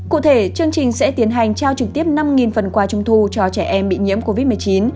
cụ thể chương trình sẽ tiến hành trao trực tiếp năm phần quà trung thu cho trẻ em bị nhiễm covid một mươi chín